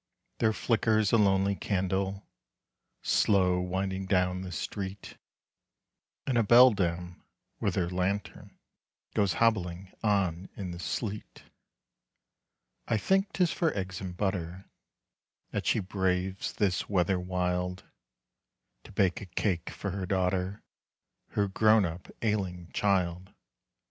There flickers a lonely candle, Slow winding down the street; And a beldame, with her lantern, Goes hobbling on in the sleet. I think 'tis for eggs and butter That she braves this weather wild, To bake a cake for her daughter, Her grown up ailing child.